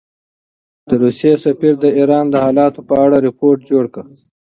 د روسیې سفیر د ایران د حالاتو په اړه رپوټ جوړ کړ.